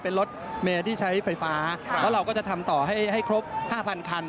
เป็นรถเมย์ที่ใช้ไฟฟ้าแล้วเราก็จะทำต่อให้ครบ๕๐๐คัน